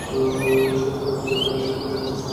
শাশুড়ীর অত্যাচারের কথা চিরকাল এদেশে প্রচলিত।